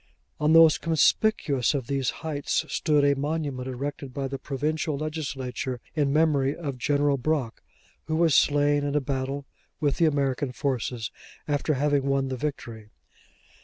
On the most conspicuous of these heights stood a monument erected by the Provincial Legislature in memory of General Brock, who was slain in a battle with the American forces, after having won the victory.